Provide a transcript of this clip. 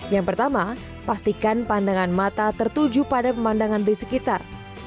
yang pertama pastikan pandangan mata tertuju pada pemandangan di sekitar